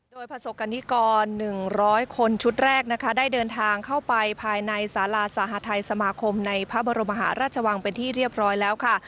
โดยประสบกรณิกร๑๐๐คนชุดแรกนะคะได้เดินทางเข้าไปภายในสาราสหทัยสมาคมในพระบรมหาราชวังเป็นที่เรียบร้อยแล้วค่ะ